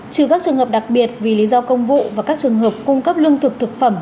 trừ các trường hợp đặc biệt vì lý do công vụ và các trường hợp cung cấp lương thực thực phẩm